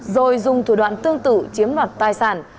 rồi dùng thủ đoạn tương tự chiếm đoạt tài sản